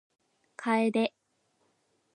楓